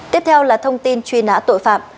tiếp theo là thông tin truy nã tội phạm